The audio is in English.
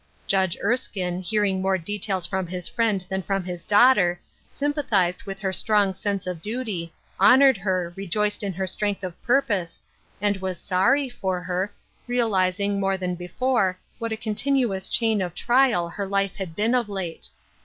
Judge Erskine, hearing more details from his friend tlian from his daughter, sympathized with her strong sense of duty, honored her, rejoiced in her strength of purpose, and was sorry for her, realizing, more than before, what a contin uous chain of trial her life had been of late.